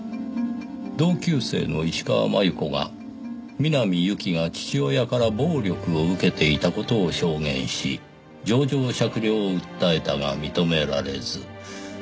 「同級生の石川真悠子が南侑希が父親から暴力を受けていた事を証言し情状酌量を訴えたが認められず」